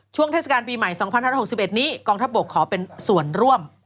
เทศกาลปีใหม่๒๐๖๑นี้กองทัพบกขอเป็นส่วนร่วม